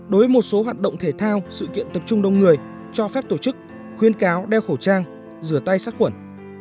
đối với một số hoạt động thể thao sự kiện tập trung đông người cho phép tổ chức khuyên cáo đeo khẩu trang rửa tay sát khuẩn